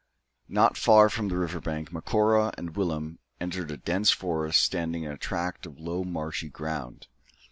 Not far from the river bank, Macora, with Willem, entered a dense forest standing in a tract of low marshy ground.